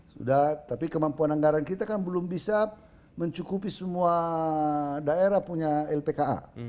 sudah tapi kemampuan anggaran kita kan belum bisa mencukupi semua daerah punya lpka